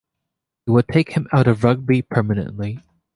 It would take him out of rugby permanently.